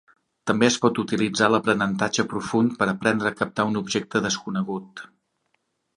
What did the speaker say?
També es pot utilitzar l'aprenentatge profund per aprendre a captar un objecte desconegut.